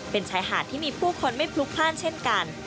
เป็นชายหาดที่มีผู้คนไม่พลุกพลาดเช่นกัน